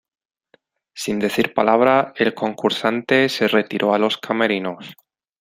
Sin decir palabra, el concursante se retiró a los camerinos.